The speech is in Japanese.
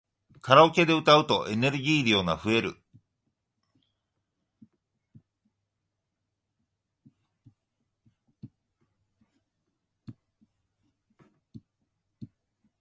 カラオケで歌うとエネルギー量が増える